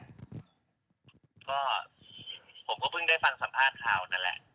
ก็ผมก็เพิ่งได้ฟังสัมภาษณ์ข่าวนั่นแหละ